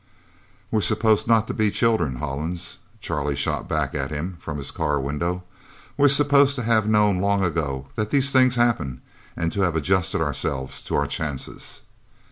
"We're supposed not to be children, Hollins," Charlie shot back at him from his car window. "We're supposed to have known long ago that these things happen, and to have adjusted ourselves to our chances."